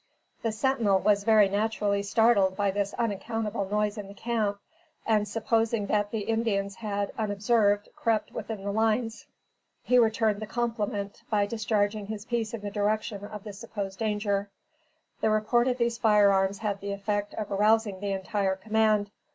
The sentinel was very naturally startled by this unaccountable noise in the camp, and supposing that the Indians had, unobserved, crept within the lines, he returned the compliment by discharging his piece in the direction of the supposed danger. The report of these firearms had the effect of arousing the entire command.